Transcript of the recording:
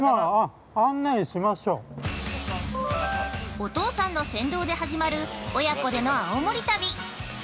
◆お父さんの先導で始まる親子での青森旅。